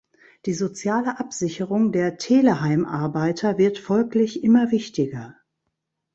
Die soziale Absicherung der Teleheimarbeiter wird folglich immer wichtiger.